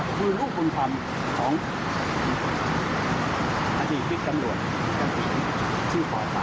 คือลูกบุญคำของพิษตำรวจชื่อป่าปลา